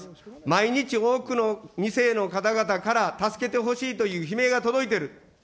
毎日、多くの２世の方々から助けてほしいという悲鳴が届いている。